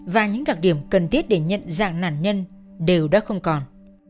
và những đặc điểm cần thiết để nhận dạng nạn nhân đều đã không còn